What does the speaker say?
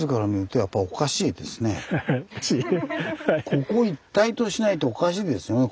ここ一帯としないとおかしいですよね